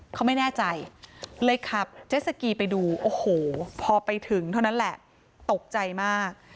เขาไม่แน่ใจเลยขับเจ็ดสกีไปดูโอ้โหพอไปถึงเท่านั้นแหละตกใจมาก